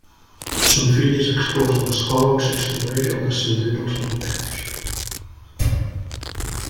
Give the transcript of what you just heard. Son fill és exclòs de l'escola on s'instrueix el descendent dels europeus.